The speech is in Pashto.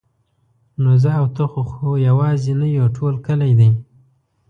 نو زه او ته خو یوازې نه یو ټول کلی دی.